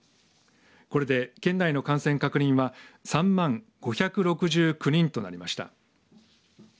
これで、県内の感染確認は３万５６９人となりました。